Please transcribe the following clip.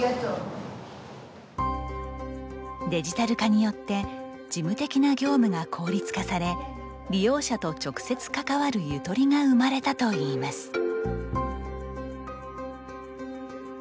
デジタル化によって事務的な業務が効率化され利用者と直接関わるゆとりが生まれたといいます。